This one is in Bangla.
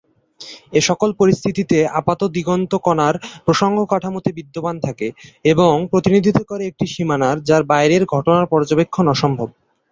এ সকল পরিস্থিতিতে আপাত দিগন্ত কণার প্রসঙ্গ কাঠামোতে বিদ্যমান থাকে, এবং প্রতিনিধিত্ব করে একটি সীমানার যার বাইরের ঘটনার পর্যবেক্ষন অসম্ভব।